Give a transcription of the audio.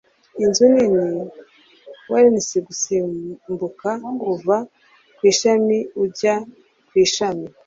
inzu nini wrens gusimbuka kuva ku ishami ujya ku ishami